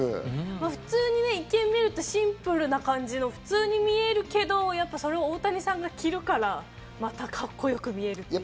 普通に一見みるとシンプルな感じの、普通に見えるけど、それを大谷さんが着るから、またかっこよく見える。